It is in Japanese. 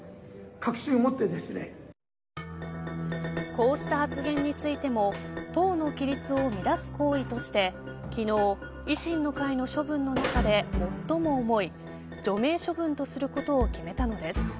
こうした発言についても党の規律を乱す行為として昨日、維新の会の処分の中で最も重い除名処分とすることを決めたのです。